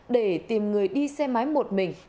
để tìm người đi xe máy một mình